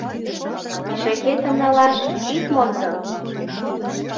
Мешакетым налаш ит мондо!